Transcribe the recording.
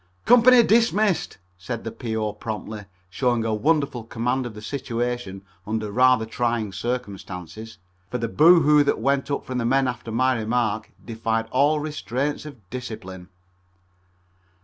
"Company dismissed," said the P.O. promptly, showing a wonderful command of the situation under rather trying circumstances, for the boo hoo that went up from the men after my remark defied all restraints of discipline.